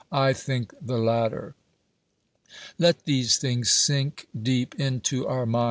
I tliiiik the latter. Let these things sink deep into oui niind